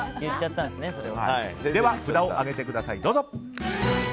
では、札を上げてください。